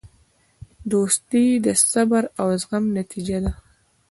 دوستي د صبر او زغم نتیجه ده.